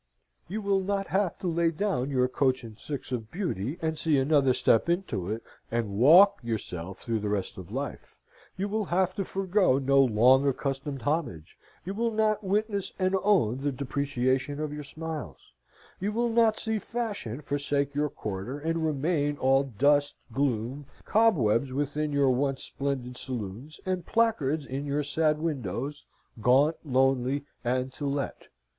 You will not have to lay down your coach and six of beauty and see another step into it, and walk yourself through the rest of life. You will have to forgo no long accustomed homage; you will not witness and own the depreciation of your smiles. You will not see fashion forsake your quarter; and remain all dust, gloom, cobwebs within your once splendid saloons, and placards in your sad windows, gaunt, lonely, and to let!